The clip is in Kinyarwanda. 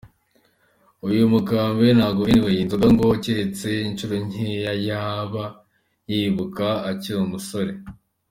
Uyu mukambwe ntabwo anyway inzoga ngo keretse inshuro nkeya yaba yibuka akiri umusore.